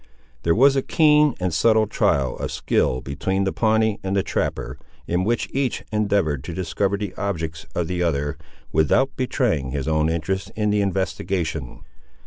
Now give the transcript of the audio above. There was a keen and subtle trial of skill between the Pawnee and the trapper, in which each endeavoured to discover the objects of the other, without betraying his own interest in the investigation.